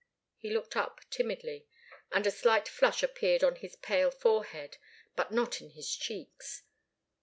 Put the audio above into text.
He looked up timidly, and a slight flush appeared on his pale forehead, but not in his cheeks.